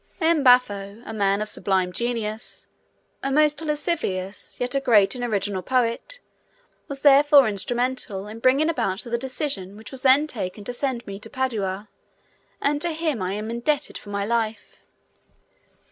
M. Baffo, a man of sublime genius, a most lascivious, yet a great and original poet, was therefore instrumental in bringing about the decision which was then taken to send me to Padua, and to him I am indebted for my life.